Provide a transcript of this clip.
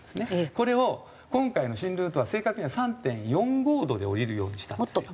これを今回の新ルートは正確には３．４５度で降りるようにしたんですよ。